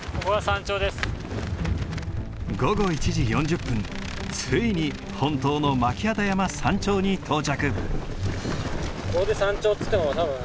午後１時４０分ついに本当の巻機山山頂に到着。